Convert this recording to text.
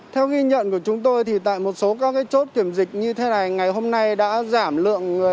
theo ghi nhận của chúng tôi thì tại một số các chốt kiểm dịch như thế này ngày hôm nay đã giảm lượng